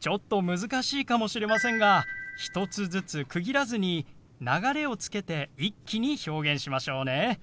ちょっと難しいかもしれませんが１つずつ区切らずに流れをつけて一気に表現しましょうね。